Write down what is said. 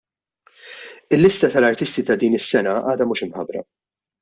Il-lista tal-artisti ta' din is-sena għadha mhux imħabbra.